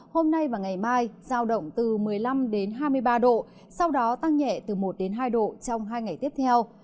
hôm nay và ngày mai giao động từ một mươi năm đến hai mươi ba độ sau đó tăng nhẹ từ một hai độ trong hai ngày tiếp theo